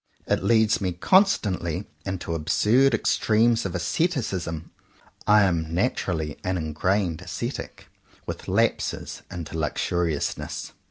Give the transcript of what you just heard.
It leads me constantly into absurd extremes of asceticism. I am naturally an ingrained ascetic, with lapses into luxuriousness.